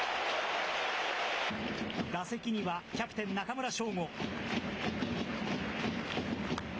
打席にはキャプテン、中村奨吾。